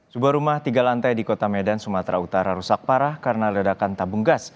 sebuah rumah tiga lantai di kota medan sumatera utara rusak parah karena ledakan tabung gas